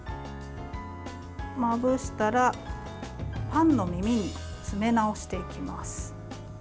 まぶしたら、パンの耳に詰め直していきます。